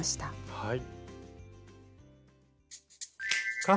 はい。